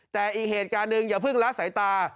แต่อีกเหตุการณ์หนึ่งอย่าเพิ่งละสายตา